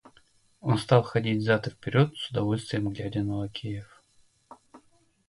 Он стал ходить взад и вперед, с удовольствием глядя на лакеев.